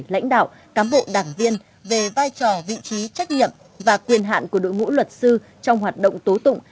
lãnh đạo cám bộ đảng viên về vai trò vị trí trách nhiệm và quyền hạn của đội ngũ luật sư trong hoạt động tố tụng